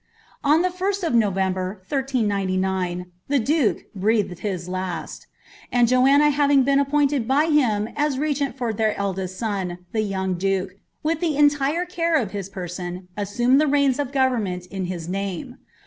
^" On the 1st of November, 1399, the duke breathed his last; and Jo anna having been appointed by him as regent for their eldest son, the young duke, with the entire care of his person, assumed the reins of government in his name.'